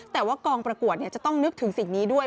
แต่ว่ากองประกวดจะต้องนึกถึงสิ่งนี้ด้วย